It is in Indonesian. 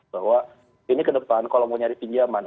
bahwa ini kedepan kalau mau nyari pinjaman